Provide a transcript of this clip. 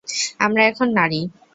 আমরা এখন নারী।